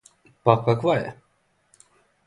Па каква је?